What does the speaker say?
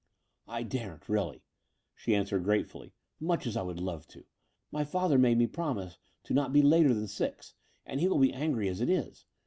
"I daren't— really," she answered gratefully, "much as I would love to. My father made me promise to be not later than six ; and he will be angry as it is.